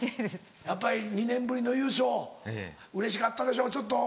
やっぱり２年ぶりの優勝うれしかったでしょちょっと。